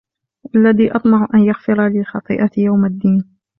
والذي أطمع أن يغفر لي خطيئتي يوم الدين